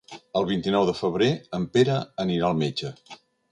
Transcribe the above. El vint-i-nou de febrer en Pere anirà al metge.